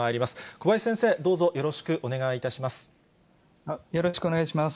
小林先生、どうぞよろしくお願いいたします。